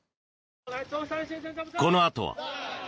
このあとは。